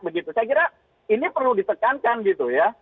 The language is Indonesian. saya kira ini perlu ditekankan gitu ya